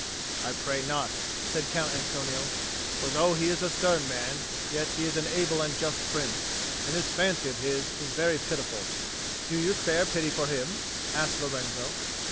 "I pray not," said Count Antonio. "For though he is a stern man, yet he is an able and just prince, and this fancy of his is very pitiful." "Do you spare pity for him?" asked Lorenzo.